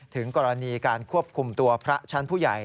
ถึงกรณีการควบคุมตัวพระชั้นผู้ใหญ่